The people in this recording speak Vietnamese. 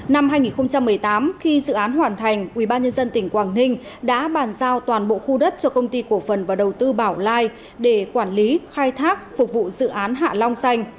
năm hai nghìn một mươi tám khi dự án hoàn thành ubnd tỉnh quảng ninh đã bàn giao toàn bộ khu đất cho công ty cổ phần và đầu tư bảo lai để quản lý khai thác phục vụ dự án hạ long xanh